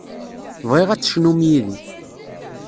Bɣiɣ ad tecnum yid-i.